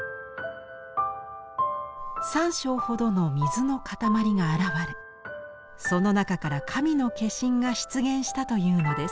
三升ほどの水の塊が現れその中から神の化身が出現したというのです。